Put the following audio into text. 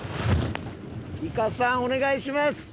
イカさんお願いします！